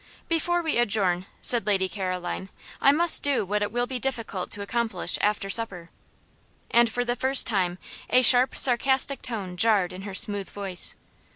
"Before we adjourn," said Lady Caroline, "I must do what it will be difficult to accomplish after supper;" and for the first time a sharp, sarcastic tone jarred in her smooth voice.